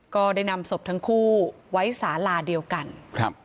ก็ได้นำศพทั้งคู่ไว้สาลาเดียวกันครับ